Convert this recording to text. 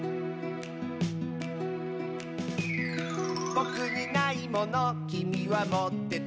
「ぼくにないものきみはもってて」